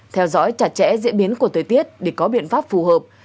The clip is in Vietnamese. theo dõi chặt chẽ diễn biến của thời tiết để có biện pháp phù hợp